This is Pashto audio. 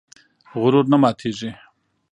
غرور نه ماتېږي.